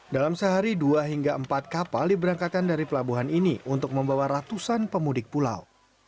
dalam sehari dua hingga empat kapal diberangkatkan dari pelabuhan ini untuk membawa ratusan pemudik pulau